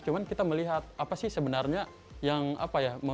cuma kita melihat apa sih sebenarnya yang apa ya